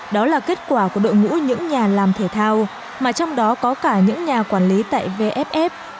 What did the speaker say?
đó là kết quả của đội ngũ những nhà làm thể thao mà trong đó có cả những nhà quản lý tại vff